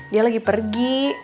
dia lagi pergi